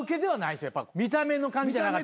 見た目の感じじゃなかった。